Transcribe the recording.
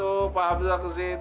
abang malah seneng